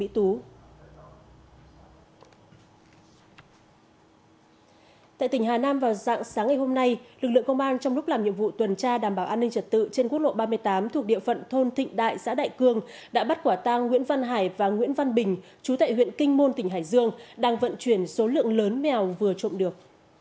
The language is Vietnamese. từ tỉnh hà nam vào dạng sáng ngày hôm nay lực lượng công an trong lúc làm nhiệm vụ tuần tra đảm bảo an ninh trật tự trên quốc lộ ba mươi tám thuộc địa phận thôn thịnh đại xã đại cương đã bắt quả tang nguyễn văn hải và nguyễn văn bình chú tại huyện kinh môn tỉnh hải dương đang vận chuyển số lượng lớn mèo vừa trộm được